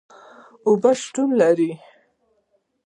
اوبه شتون لري